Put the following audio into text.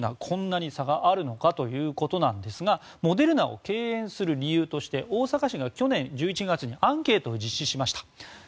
こんなに差があるのかということですがモデルナを敬遠する理由として大阪市が去年１１月にアンケートを実施しました。